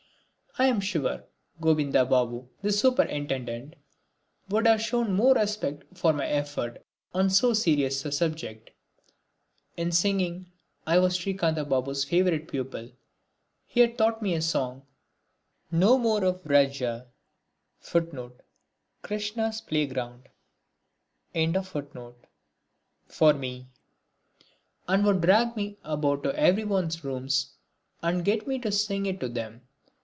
I am sure Gobinda Babu, the superintendent, would have shown more respect for my effort on so serious a subject. In singing I was Srikantha Babu's favorite pupil. He had taught me a song: "No more of Vraja for me," and would drag me about to everyone's rooms and get me to sing it to them.